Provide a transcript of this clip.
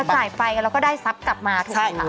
แต่จ่ายไปแล้วก็ได้ซับกลับมาถูกค่ะ